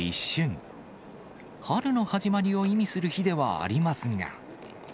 春の始まりを意味する日ではありますが。